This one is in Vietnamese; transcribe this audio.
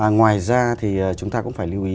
ngoài ra thì chúng ta cũng phải lưu ý